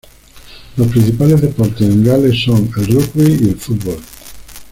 Los principales deportes en Gales son el rugby y el fútbol.